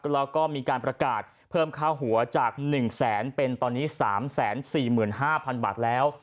แล้วก็มีการประกาศเพิ่มค่าหัวจาก๑แสนเป็นตอนนี้๓๔๕๐๐๐บาทแล้ว